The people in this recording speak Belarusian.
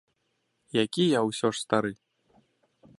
Які я ўсё ж стары.